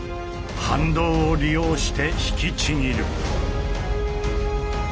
反動を利用して引きちぎる。